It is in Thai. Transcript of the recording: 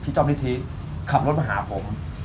พี่จอบนิทรีย์ขับรถมาหาผม